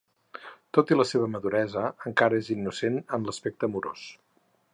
Tot i la seva maduresa, encara és innocent en l’aspecte amorós.